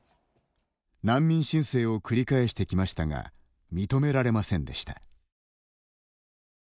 難民申請を繰り返してきましたが認められませんでした。